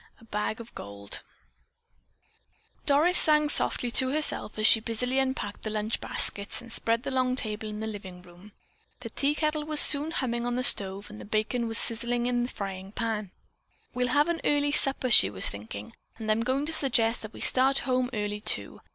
A BAG OF GOLD Doris sang softly to herself as she busily unpacked the lunch baskets and spread the long table in the living room. The tea kettle was soon humming on the stove and bacon was sizzling in the frying pan. "We'll have an early supper," she was thinking, "and I'm going to suggest that we start home early, too.